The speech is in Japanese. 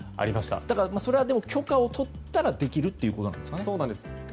それは許可を取ったらできるということなんですかね。